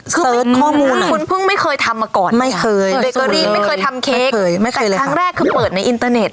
เซิร์ชข้อมูลอ่ะคุณเพิ่งไม่เคยทำมาก่อนค่ะแบกเกอรีไม่เคยทำเค้กแต่ครั้งแรกคือเปิดในอินเทอร์เน็ต